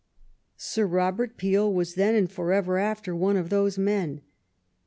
Sir Robert Peel was then and forever after one of those men.